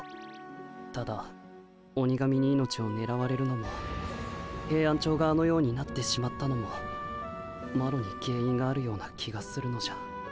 ただ鬼神に命をねらわれるのもヘイアンチョウがあのようになってしまったのもマロに原因があるような気がするのじゃ。